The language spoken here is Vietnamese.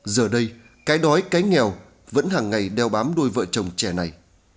giờ đây cái đói cái nghèo vẫn hàng ngày đeo bám đôi vợ chồng trẻ này